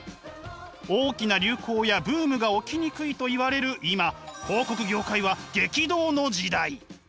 大きな流行やブームが起きにくいといわれる今広告業界は激動の時代。